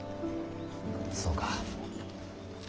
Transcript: そうか。